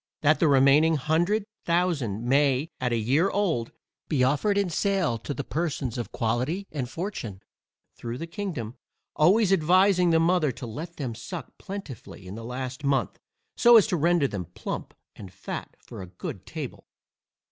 That the remaining hundred thousand may, at a year old, be offered in sale to the persons of quality and fortune, through the kingdom, always advising the mother to let them suck plentifully in the last month, so as to render them plump, and fat for a good table.